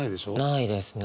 ないですね。